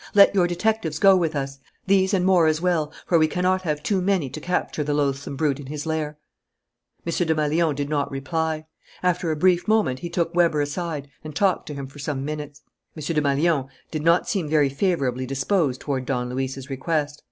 Let your detectives go with us: these and more as well, for we cannot have too many to capture the loathsome brute in his lair." M. Desmalions did not reply. After a brief moment he took Weber aside and talked to him for some minutes. M. Desmalions did not seem very favourably disposed toward Don Luis's request.